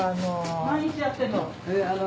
毎日やってるの？